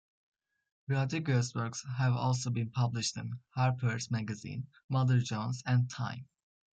Rodriguez's works have also been published in "Harper's Magazine", "Mother Jones", and "Time".